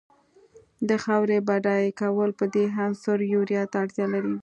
د خاورې بډای کول په دې عنصر یوریا ته اړتیا لري.